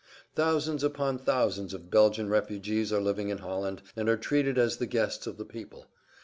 Thousands upon thousands of Belgian refugees are living in Holland and are treated as the guests of the people.